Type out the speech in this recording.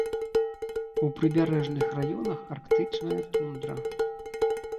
У прыбярэжных раёнах арктычная тундра.